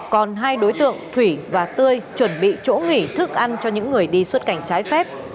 còn hai đối tượng thủy và tươi chuẩn bị chỗ nghỉ thức ăn cho những người đi xuất cảnh trái phép